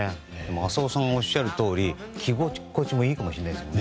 浅尾さんがおっしゃるとおり着心地もいいかもしれませんね。